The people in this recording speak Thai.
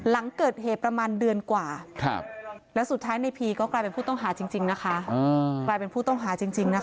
และสุดท้ายในพีก็กลายเป็นผู้ต้องหาจริงนะคะ